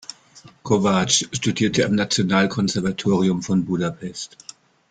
Kovács studierte am Nationalkonservatorium von Budapest.